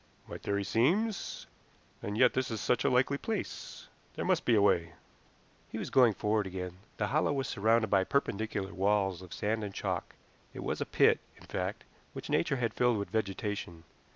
"My theory seems and yet this is such a likely place. There must be a way." He was going forward again. The hollow was surrounded by perpendicular walls of sand and chalk; it was a pit, in fact, which Nature had filled with vegetation.